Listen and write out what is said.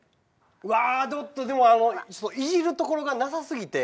うわいじるところがなさ過ぎて。